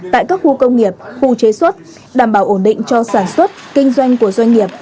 tại các khu công nghiệp khu chế xuất đảm bảo ổn định cho sản xuất kinh doanh của doanh nghiệp